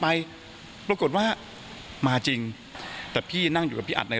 ไปปรากฏว่ามาจริงแต่พี่นั่งอยู่กับพี่อัดใน